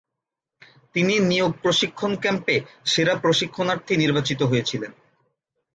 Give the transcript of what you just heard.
তিনি নিয়োগ প্রশিক্ষণ ক্যাম্পে 'সেরা প্রশিক্ষণার্থী' নির্বাচিত হয়েছিলেন।